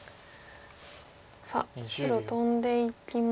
さあ白トンでいきまして。